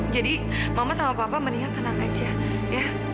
jadi mama sama papa mendingan tenang aja ya